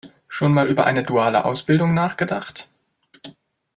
Schon mal über eine duale Ausbildung nachgedacht?